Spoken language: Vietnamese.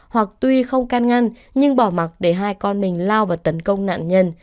hoặc tuy không can ngăn nhưng bỏ mặt để hai con mình lao và tấn công nạn nhân